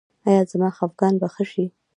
ایا زما خپګان به ښه شي؟